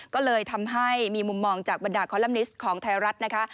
ก็เลยทำให้มีมุมมองจากบรรดาคอลัมนิสต์ของไทยรัฐนะคะ